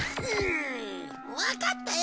わかったよ。